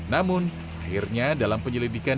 namun akhirnya dalam penyelidikan